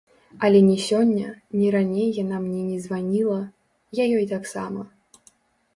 Але ні сёння, ні раней яна мне не званіла, я ёй таксама.